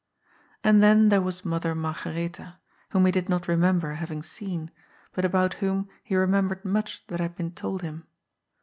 And then there was Mother Margaretha, whom he did not remember having seen, but about whom he remembered much that had been told him.